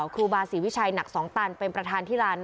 ครูบาศีวิชัยหนักสองตันเป็นประธาน